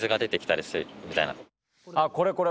あっこれこれ。